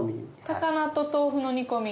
高菜と豆腐の煮込み。